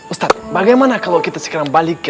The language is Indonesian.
ustad bagaimana kalo kita sekarang balik ke